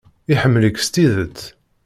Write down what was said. Iḥemmel-ik s tidet.